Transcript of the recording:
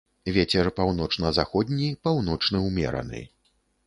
Вецер паўночна-заходні, паўночны ўмераны.